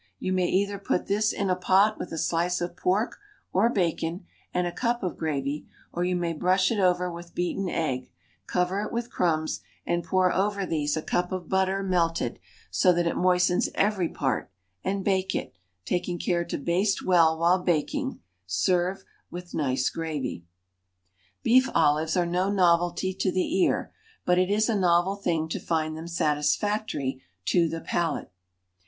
You may either put this in a pot with a slice of pork or bacon, and a cup of gravy; or you may brush it over with beaten egg, cover it with crumbs, and pour over these a cup of butter, melted, so that it moistens every part; and bake it, taking care to baste well while baking; serve with nice gravy. BEEF OLIVES are no novelty to the ear, but it is a novel thing to find them satisfactory to the palate.